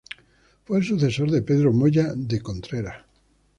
Fue el sucesor de Pedro Moya de Contreras.